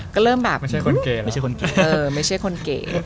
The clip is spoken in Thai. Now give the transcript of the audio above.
ก็เริ่มแบบไม่ใช่คนเก๋